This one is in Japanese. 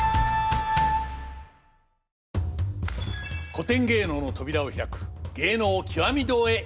古典芸能の扉を開く「芸能きわみ堂」へようこそ。